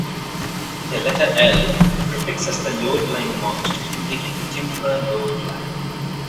The letter "L" prefixes the load line marks to indicate a timber load line.